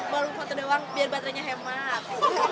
baru foto doang biar baterainya hemat